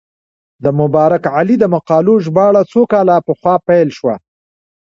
د مبارک علي د مقالو ژباړه څو کاله پخوا پیل شوه.